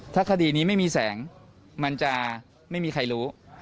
ถ้าคดีนี้ไม่มีแสงมันจะไม่มีใครรู้